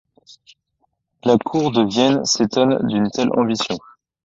La cour de Vienne s'étonne d'une telle ambition.